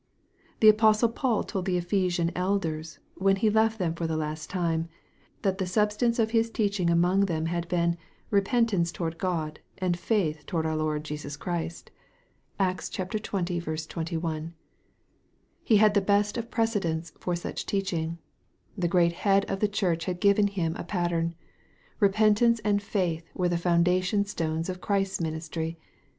The apostle Paul told the Ephesian elders, when he left them for the last time, that the substance of his teaching among them had been " repentance towards God, and faith towards our Lord Jesus Christ." (Acts, 8 EXPOSITORY THOUGHTS. xx. 21.) He had the best of precedents for such teach ing. The Great Head of the Church had given him a pattern. Repentance and faith were the foundation stones of Christ's ministry.